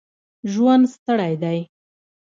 ژوند ستړی دی